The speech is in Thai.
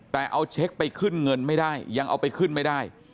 แต่เอาเช็คไปขึ้นเงินไม่ได้ยังเอาไปขึ้นไม่ได้